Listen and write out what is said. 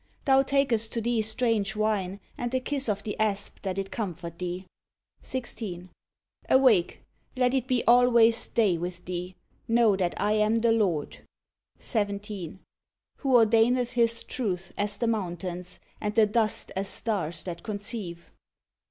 Thou takest to thee strange wine, and the kiss of the asp that it comfort thee. 136 "THE FORtr fHIRD CHAPTER OF JOB 16. Awake, let it be always day with thee I BCnow that I am the Lord, 17. Who ordaineth His truth as the mountains, and the dust as stars that conceive; 18.